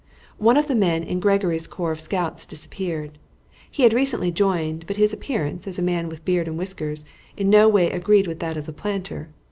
One of the men of Gregory's corps of scouts disappeared. He had recently joined, but his appearance, as a man with beard and whiskers, in no way agreed with that of the planter.